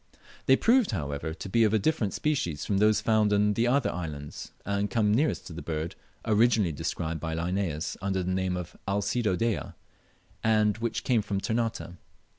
They proved, however, to be of a different species from those found in the other islands, and come nearest to the bird originally described by Linnaeus under the name of Alcedo dea, and which came from Ternate.